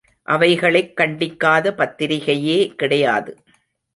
அவைகளைக் கண்டிக்காத பத்திரிகையே கிடையாது.